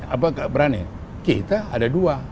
apa nggak berani kita ada dua